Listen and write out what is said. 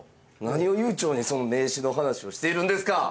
何を悠長に名刺の話をしているんですか！